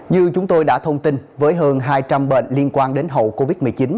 như chúng tôi đã thông tin với hơn hai trăm linh bệnh liên quan đến hậu covid một mươi chín